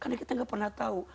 karena kita gak pernah tahu